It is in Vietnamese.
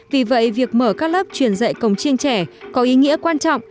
vì vậy việc mở các lớp truyền dạy cổng chiêng trẻ có ý nghĩa quan trọng